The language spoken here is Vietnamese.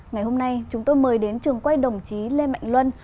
ngày hôm nay chúng tôi mời đến trường quay đồng chí lê mạnh luân